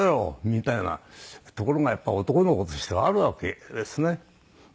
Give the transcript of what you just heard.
みたいなところがやっぱ男の子としてはあるわけですね。